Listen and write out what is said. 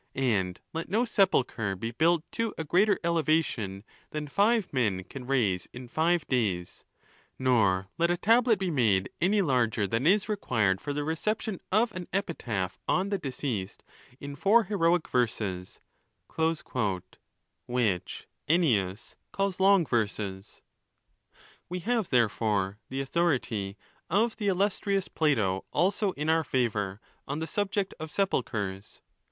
And let no sepulchre be built to a greater elevation than five men can raise in five days; nor let a tablet be made any larger than is required for the reception of an epitaph on the deceased, in four heroic verses ;" which Ennius calls long verses. 460 2 ON THE LAWS,' We have, therefore, the. authority of the illustrious Plato also in our favour on the subject of sepulchres.